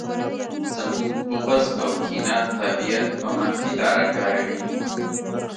زموږ بغض او کینه طبیعت په منفي لاره کاروي